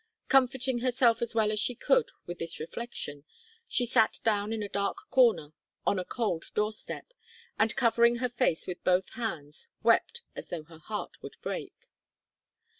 Comforting herself as well as she could with this reflection, she sat down in a dark corner on a cold door step, and, covering her face with both hands, wept as though her heart would break.